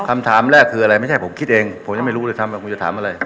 คำถามแรกคืออะไรไม่ใช่ผมคิดเองผมยังไม่รู้เลยซ้ำว่าคุณจะถามอะไร